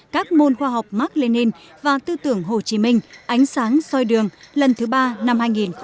các môn khoa học mark lenin và tư tưởng hồ chí minh ánh sáng soi đường lần thứ ba năm hai nghìn hai mươi